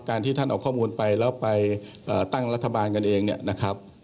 ที่ท่านเอาข้อมูลไปแล้วไปตั้งรัฐบาลกันเองเนี่ยนะครับ